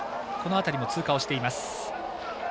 この辺りも通過をしています。